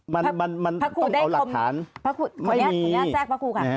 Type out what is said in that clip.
มันต้องเอาหลักฐานไม่มีขออนุญาตแจ๊คพระครูค่ะ